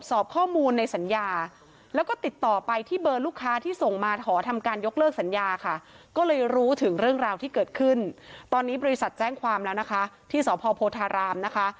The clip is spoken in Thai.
สอบข้อมูลในสัญญาแล้วก็ติดต่อไปที่เบอร์ลูกค้าที่ส่งมาขอทำการยกเลิกสัญญาค่ะก็เลยรู้ถึงเรื่องราวที่เกิดขึ้นตอนนี้บริษัทแจ้งความแล้วนะคะที่สพโพธารามนะคะ